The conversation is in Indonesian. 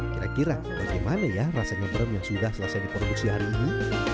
kira kira bagaimana ya rasa nyebrem yang sudah selesai diproduksi hari ini